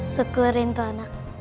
syukurin tuh anak